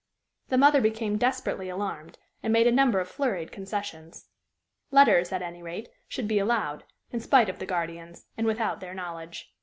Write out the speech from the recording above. The mother became desperately alarmed, and made a number of flurried concessions. Letters, at any rate, should be allowed, in spite of the guardians, and without their knowledge.